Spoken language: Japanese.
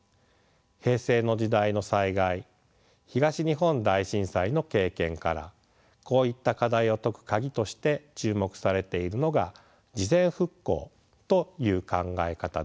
平成の時代の災害東日本大震災の経験からこういった課題を解くカギとして注目されているのが事前復興という考え方です。